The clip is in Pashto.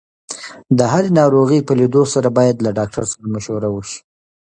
د هرې ناروغۍ په لیدو سره باید له ډاکټر سره مشوره وشي.